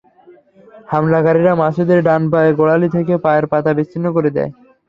হামলাকারীরা মাসুদের ডান পায়ের গোড়ালি থেকে পায়ের পাতা বিচ্ছিন্ন করে দেয়।